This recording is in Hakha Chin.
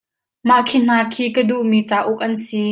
Mah khi hna khi ka duhmi cauk an si.